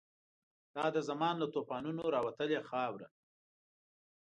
دا د زمان له توپانونو راوتلې خاوره